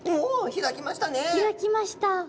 開きました。